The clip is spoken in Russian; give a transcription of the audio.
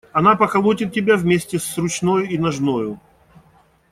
Она поколотит тебя вместе с ручною и ножною.